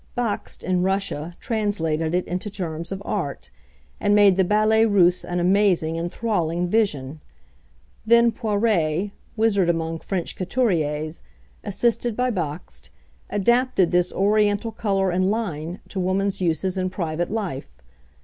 Bakst in Russia translated it into terms of art, and made the Ballet Russe an amazing, enthralling vision! Then Poiret, wizard among French couturières, assisted by Bakst, adapted this Oriental colour and line to woman's uses in private life.